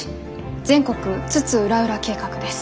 全国津々浦々計画」です。